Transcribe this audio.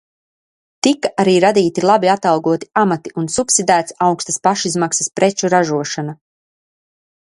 Tika arī radīti labi atalgoti amati un subsidēts augstas pašizmaksas preču ražošana.